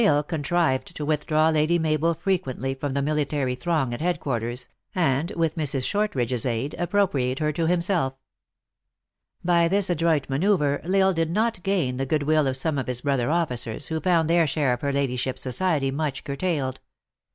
107 L Isle contrived to withdraw Lady Mabel frequently from the military throng at headquarters, and, with Mrs. Shortridge s aid, appropriate her to himself. By this adroit manoeuvre, L Isle did not gain the good will of some of his brother officers, who found their share of her ladyship s society much curtailed.